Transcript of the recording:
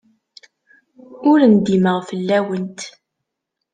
Ur ndimeɣ fell-awent.